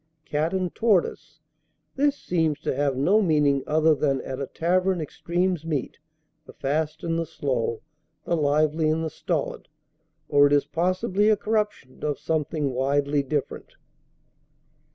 Cat and Tortoise. This seems to have no meaning other than at a tavern extremes meet, the fast and the slow, the lively and the stolid; or it is possibly a corruption of something widely different.